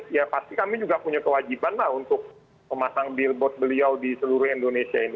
ya pasti kami juga punya kewajiban lah untuk memasang billboard beliau di seluruh indonesia ini